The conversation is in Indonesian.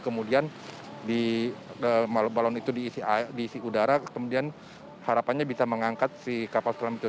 kemudian balon itu diisi udara kemudian harapannya bisa mengangkat si kapal selam itu